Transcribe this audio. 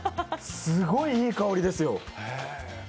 すごい、いい香りですよ。